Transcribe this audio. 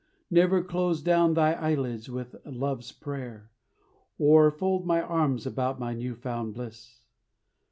Never close down thine eyelids with Love's prayer, Or fold my arms about my new found bliss?